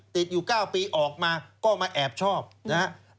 ติดอยู่๙ปีออกมาก็มาแอบชอบนะครับ